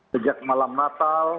sejak malam natal